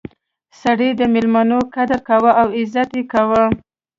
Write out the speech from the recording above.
سړی د میلمنو قدر کاوه او عزت یې کاوه.